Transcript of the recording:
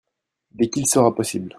Dès qu'il sera possible.